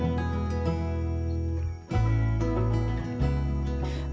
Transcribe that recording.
yang menjaga kekuasaan dan kekuasaan badak yang terkenal di dunia